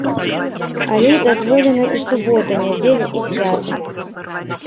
Алей дазволены ў суботы, нядзелі і святы.